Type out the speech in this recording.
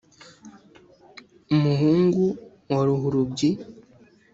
umuhungu wa ruhurubyi,